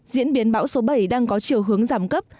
diễn biến bão số bảy đang có chiều hướng giảm cấp